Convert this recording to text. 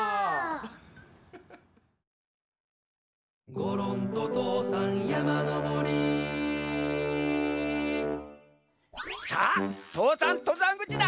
「ごろんととうさんやまのぼり」さあ父山とざんぐちだ。